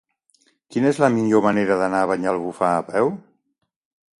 Quina és la millor manera d'anar a Banyalbufar a peu?